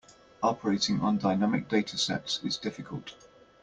Operating on dynamic data sets is difficult.